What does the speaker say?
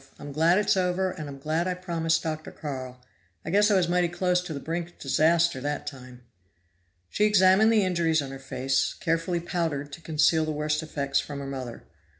"I'm glad it's over, and I'm glad I promised Dr. Carl I guess I was mighty close to the brink of disaster that time." She examined the injuries on her face, carefully powdered to conceal the worst effects from her mother.